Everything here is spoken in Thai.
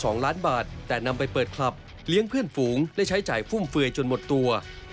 สองล้านบาทแต่นำไปเปิดคลับเลี้ยงเพื่อนฝูงได้ใช้จ่ายฟุ่มเฟือยจนหมดตัว